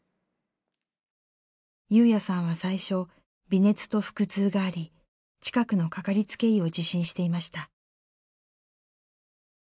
優也さんは最初微熱と腹痛があり近くのかかりつけ医を受診していました。